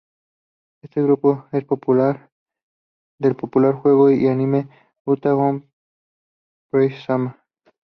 Este grupo es del popular juego y anime "Uta no Prince-sama".